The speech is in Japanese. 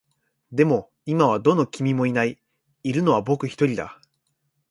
でも、今はどの君もいない。いるのは僕一人だ。